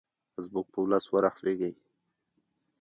زموږ په ولس ورحمیږې.